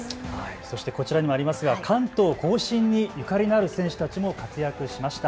そしてこちらにもありますが関東甲信にゆかりのある選手たちも活躍しました。